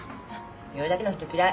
言うだけの人嫌い。